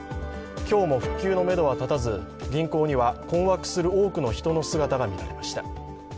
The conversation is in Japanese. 今日も復旧のめどは立たず、銀行には困惑する多くの人の姿が見られました。